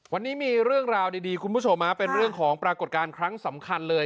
วันนี้มีเรื่องราวดีคุณผู้ชมเป็นเรื่องของปรากฏการณ์ครั้งสำคัญเลย